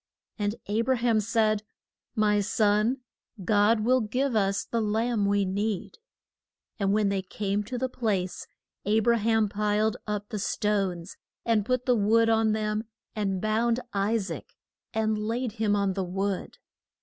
And A bra ham said, My son, God will give us the lamb we need. And when they came to the place, A bra ham piled up the stones and put the wood on them, and bound I saac and laid him on the wood.